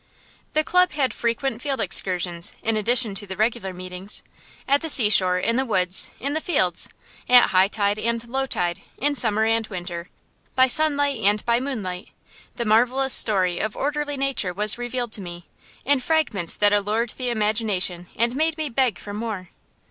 The club had frequent field excursions, in addition to the regular meetings. At the seashore, in the woods, in the fields; at high tide and low tide, in summer and winter, by sunlight and by moonlight, the marvellous story of orderly nature was revealed to me, in fragments that allured the imagination and made me beg for more.